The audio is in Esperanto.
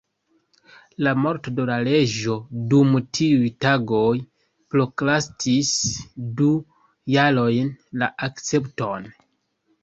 La morto de la reĝo dum tiuj tagoj prokrastis du jarojn la akcepton.